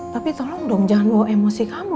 tapi tolong dong jangan bawa emosi kamu